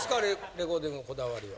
レコーディングのこだわりは。